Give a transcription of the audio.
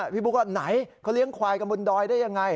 พี่บุ๊คว่าไหนเขาเลี้ยงควายกันบนดอยได้ยังไง